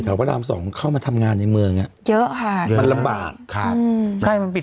เขาบอกหลังจากกรณีนี้ไปเนี่ย